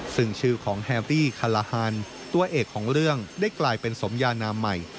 ซึ่งชื่อของแฮรี่คาลาฮันตัวเอกของเรื่องได้กลายเป็นสมยานามใหม่